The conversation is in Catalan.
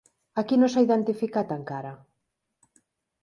A qui no s'ha identificat encara?